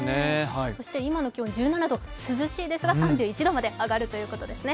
そして今の気温、１７度涼しいですが３１度まで上がるということですね。